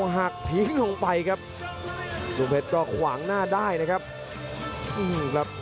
หักทิ้งลงไปครับสุเพชรก็ขวางหน้าได้นะครับ